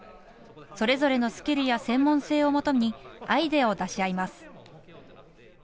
それぞれのスキルや専門性をもとにアイデアを出し合います。